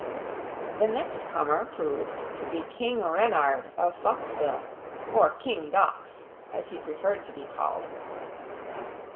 The next comer proved to be King Renard of Foxville; or King Dox, as he preferred to be called.